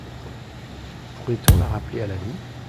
Pourrait-on la rappeler à la vie?